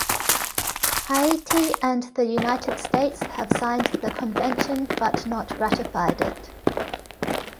Haiti and the United States have signed the Convention but not ratified it.